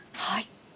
はい。